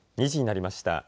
２時になりました。